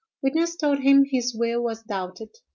Witness told him his will was doubted.